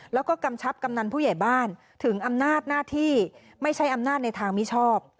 แล้วก็กำชับกำนันผู้ใหญ่บ้านถึงอำนาจหน้าที่ไม่ใช่อำนาจในทางมิชอบ